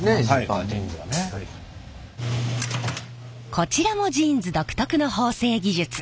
こちらもジーンズ独特の縫製技術。